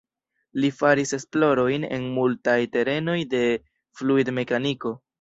Li faris esplorojn en multaj terenoj de fluidmekaniko.